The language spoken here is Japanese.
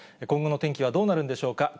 今後の天気はどうなるんでしょうか。